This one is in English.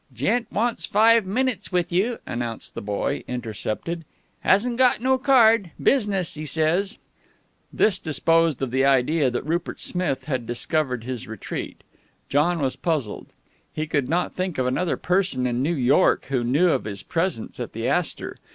"Gent wants five minutes wit' you," announced the boy, intercepted. "Hasn't got no card. Business, he says." This disposed of the idea that Rupert Smith had discovered his retreat. John was puzzled. He could not think of another person in New York who knew of his presence at the Astor.